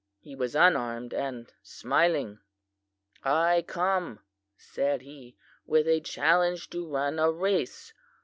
He was unarmed and smiling. "'I come,' said he, 'with a challenge to run a race.